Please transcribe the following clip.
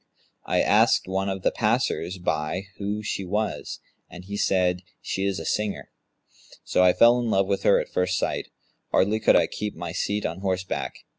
I asked one of the passers by who she was, and he said, 'She is a singer,' so I fell in love with her at first sight: hardly could I keep my seat on horseback.